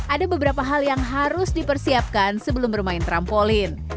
ada beberapa hal yang harus dipersiapkan sebelum bermain trampolin